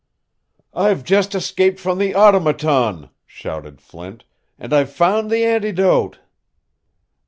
"I've just escaped from the Automaton," shouted Flint, "and I've found the antidote!"